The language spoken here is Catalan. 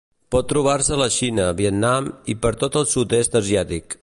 Pot trobar-se a la Xina, Vietnam i per tot el sud-est asiàtic.